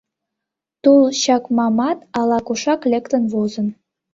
Тул чакмамат ала-кушак лектын возын...